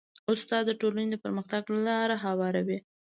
استاد د ټولنې د پرمختګ لاره هواروي.